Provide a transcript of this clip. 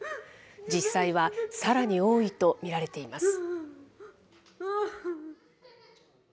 実際はさらに多いと見られています。